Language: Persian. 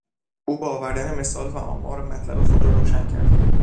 او با آوردن مثال و آمار مطلب خود را روشن کرد.